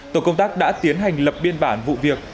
tổ công tác đã tiến hành lập biên bản vụ việc